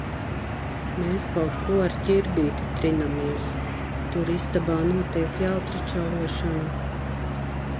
Mēs kaut ko ar Ķirbīti trinamies. Tur istabā notiek jautra čalošana.